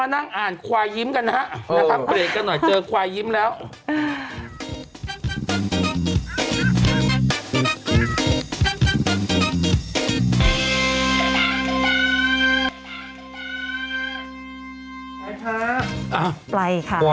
นั่นหรอกแล้ว